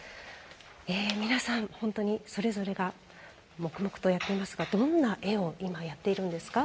皆さん、本当にそれぞれが黙々とやっていますがどんな絵を今、やっているんですか？